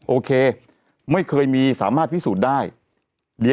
โอเคไม่เคยมีสามารถพิสูจน์ได้